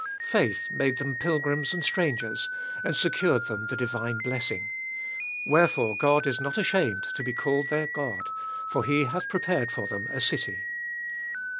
Faith made them pilgrims and strangers, and secured them the divine blessing. Wherefore God is not ashamed to be called their God, for He hath prepared for them a city.